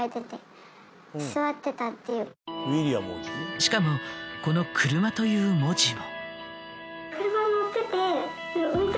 しかもこの「車」という文字も。